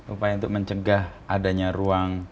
upaya untuk mencegah adanya ruang